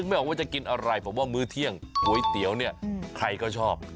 ไม่ออกว่าจะกินอะไรผมว่ามื้อเที่ยงก๋วยเตี๋ยวเนี่ยใครก็ชอบ